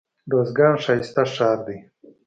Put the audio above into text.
روزګان ښايسته ښار دئ.